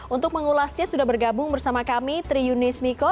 untuk mengulasnya sudah bergabung bersama kami triyunis miko